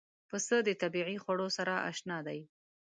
پسه د طبیعي خوړو سره اشنا دی.